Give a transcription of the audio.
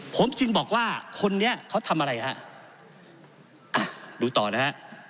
ผมจึงบอกว่าคนนี้เขาทำอะไรครับดูต่อนะครับ